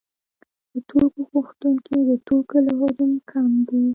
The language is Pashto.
د توکو غوښتونکي د توکو له حجم کم دي